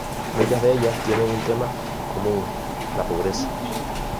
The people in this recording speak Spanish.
Muchas de ellas tienen un tema común: la pobreza.